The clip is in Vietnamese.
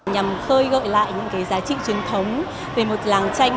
nhằm khơi gợi lại những giá trị truyền thống về một làng tranh